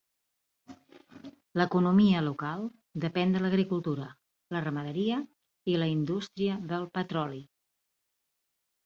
L'economia local depèn de l'agricultura, la ramaderia i la indústria del petroli.